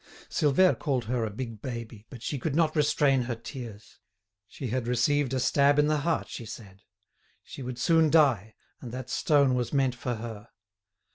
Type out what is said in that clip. Silvère called her a "big baby," but she could not restrain her tears. She had received a stab in the heart, she said; she would soon die, and that stone was meant for her.